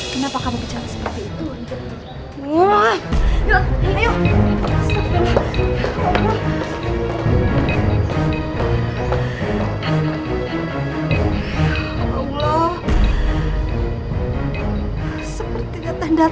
kenapa kamu kejar aku seperti itu